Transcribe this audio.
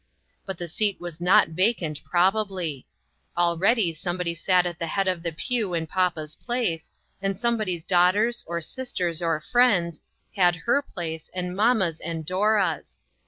But the seat was not vacant, probably ; already somebody sat at the head of the pew in papa's place, and somebody's daughters, or sisters, or friends, had her place, and mamma's and Dora's.